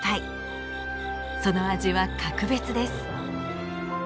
その味は格別です。